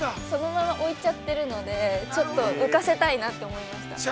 そのまま置いちゃってるので、ちょっと浮かせたいなと思いました。